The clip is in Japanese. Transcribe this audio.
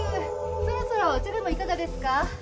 そろそろお茶でもいかがですか？